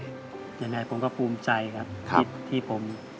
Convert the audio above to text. ยังไงผมก็ภูมิใจครับที่ผม